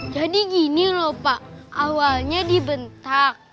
jadi gini lho pak awalnya dibentak